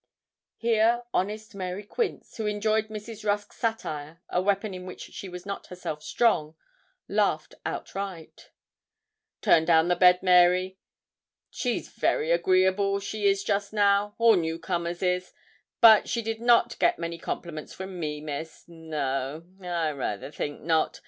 Here honest Mary Quince, who enjoyed Mrs. Rusk's satire, a weapon in which she was not herself strong, laughed outright. 'Turn down the bed, Mary. She's very agreeable she is, just now all new comers is; but she did not get many compliments from me, Miss no, I rayther think not.